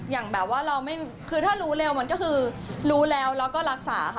อย่างแบบว่าเราไม่คือถ้ารู้เร็วมันก็คือรู้แล้วแล้วก็รักษาค่ะ